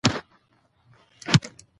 زه ارام یم ځکه چې ذهني فشار لږ دی.